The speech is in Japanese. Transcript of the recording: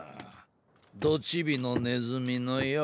どチビのネズミのよぉ。